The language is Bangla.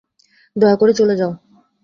দয়া করে চলে যাও।